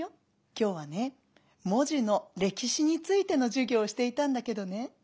今日はね文字の歴史についての授業をしていたんだけどね